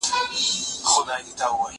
پوښتنه وکړه!!